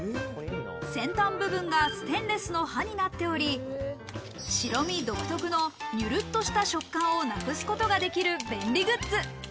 先端部分がステンレスの刃になっており、白身独特のにゅるっとした食感をなくすことができる便利グッズ。